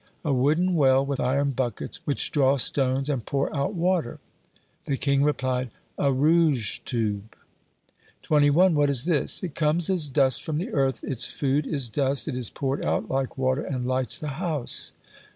A wooden well with iron buckets, which draw stones and pour out water." The king replied: "A rouge tube." 21. "What is this? It comes as dust from the earth, its food is dust, it is poured out like water, and lights the house."